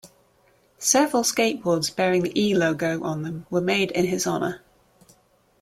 Several skateboards bearing the E logo on them were made in his honor.